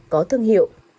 có thương hiệu